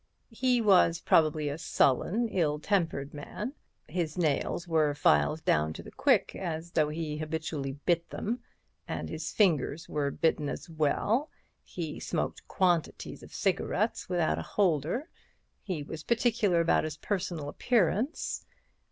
"He was probably a sullen, ill tempered man—his nails were filed down to the quick as though he habitually bit them, and his fingers were bitten as well. He smoked quantities of cigarettes without a holder. He was particular about his personal appearance."